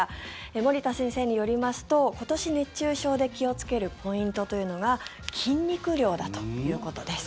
森田先生によりますと今年、熱中症で気をつけるポイントというのが筋肉量だということです。